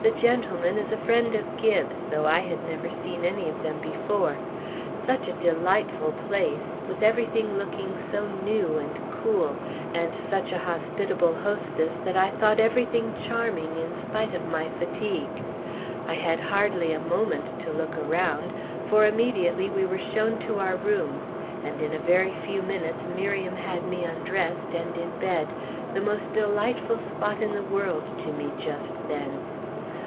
The gentleman is a friend of Gibbes, though I had never seen any of them before. Such a delightful place, with everything looking so new, and cool, and such a hospitable hostess that I thought everything charming in spite of my fatigue. I had hardly a moment to look around; for immediately we were shown to our rooms, and in a very few minutes Miriam had me undressed and in bed, the most delightful spot in the world to me just then.